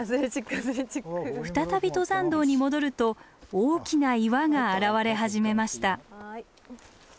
再び登山道に戻ると大きな岩が現れ始めました。